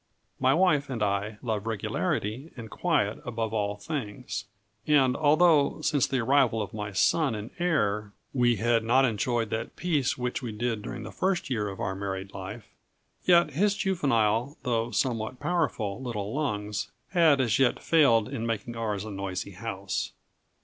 My wife, and I, love regularity and quiet above all things; and although, since the arrival of my son, and heir, we had not enjoyed that peace which we did during the first year of our married life, yet his juvenile, though somewhat powerful, little lungs, had as yet failed in making ours a noisy house.